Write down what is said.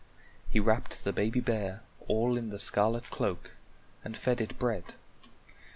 He wrapped the baby bear all in the scarlet cloak and fed it bread.